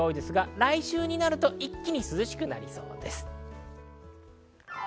来週は一気に涼しくなりそうです。